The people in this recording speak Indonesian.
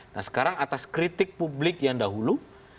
nah sekarang atas kritik publik yang dahulu